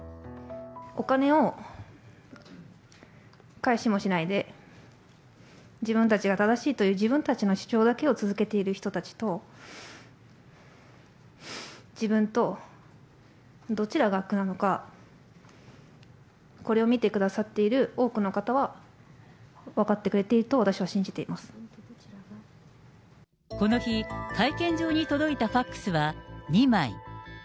お金を返しもしないで、自分たちが正しいという自分たちの主張だけを続けている人たちと、自分とどちらが悪なのか、これを見てくださっている多くの方は分かってくれていると、この日、会見場に届いたファックスは、２枚。